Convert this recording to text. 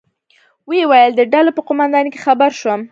ویې ویل: د ډلې په قومندانۍ کې خبر شوم.